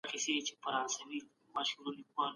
خصوصي سکتور د عصري ټیکنالوژۍ څخه کار واخیست.